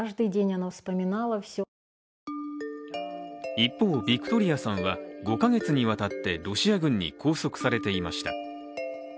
一方、ビクトリアさんは、５か月にわたってロシア軍に拘束されていました。